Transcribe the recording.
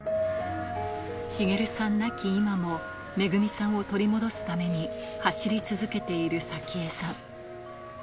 滋さん亡き今も、めぐみさんを取り戻すために走り続けている早紀江さん。